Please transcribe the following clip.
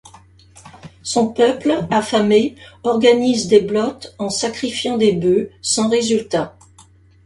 Son peuple, affamé, organise des blóts en sacrifiant des bœufs, sans résultat.